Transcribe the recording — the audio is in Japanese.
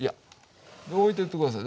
置いてって下さい。